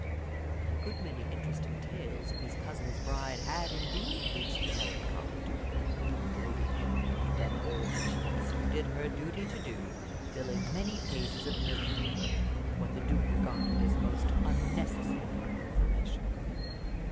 A good many interesting tales of his cousin's bride had, indeed, reached the melancholy Duke. Lady Henry had done all that she conceived it her duty to do, filling many pages of note paper with what the Duke regarded as most unnecessary information.